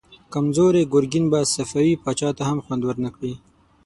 کمزوری ګرګين به صفوي پاچا ته هم خوند ورنه کړي.